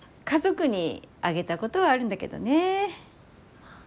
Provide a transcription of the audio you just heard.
家族にあげたことはあるんだけどね。